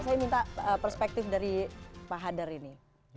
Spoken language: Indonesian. saya minta perspektif dari pak hadar ini